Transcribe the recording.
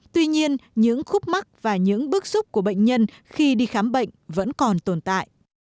tuy nhiên những khúc mắt và những bức xúc của bệnh nhân khi đi khám bệnh vẫn còn tồn tại